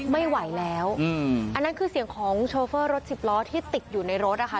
ไม่ไหวแล้วอืมอันนั้นคือเสียงของโชเฟอร์รถสิบล้อที่ติดอยู่ในรถนะคะ